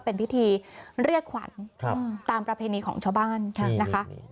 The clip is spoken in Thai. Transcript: เป็นพิธีเรียกขวัญตามประเพณีของชาวบ้านนะคะ